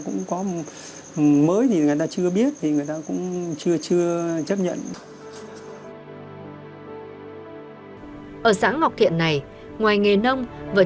vợ chồng ông nguyễn nguyễn nguyễn nguyễn nguyễn nguyễn nguyễn nguyễn nguyễn nguyễn nguyễn nguyễn nguyễn nguyễn nguyễn nguyễn